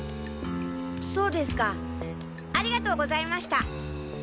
そうですかありがとうございました。